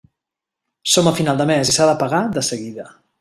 Som a final de mes i s'ha de pagar de seguida.